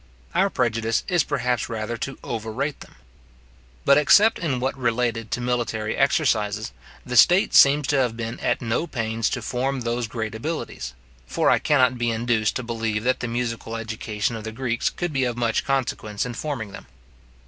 Our prejudice is perhaps rather to overrate them. But except in what related to military exercises, the state seems to have been at no pains to form those great abilities; for I cannot be induced to believe that the musical education of the Greeks could be of much consequence in forming them.